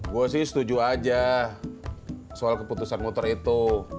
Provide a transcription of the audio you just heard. gue sih setuju aja soal keputusan motor itu